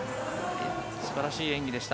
素晴らしい演技でした。